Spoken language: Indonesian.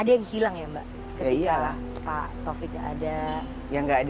ada yang hilang ya mbak ketika pak tovik gak ada